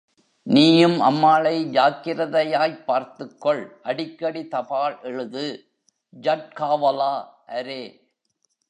நீயும் அம்மாளை ஜாக்கிரதையாய்ப் பார்த்துக்கொள், அடிக்கடி தபால் எழுது...... ஜட்காவாலா அரே!